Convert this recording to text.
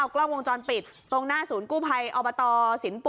ครับโอ๊ย